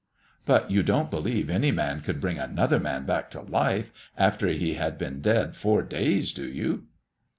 "But you don't believe any man could bring another man back to life after he had been dead four days, do you?"